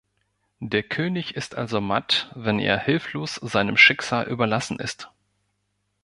Der König ist also matt, wenn er hilflos seinem Schicksal überlassen ist.